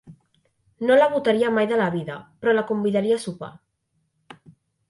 No la votaria mai de la vida, però la convidaria a sopar.